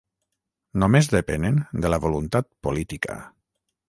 Només depenen de la voluntat política.